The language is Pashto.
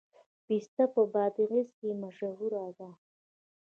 پسته په بادغیس کې مشهوره ده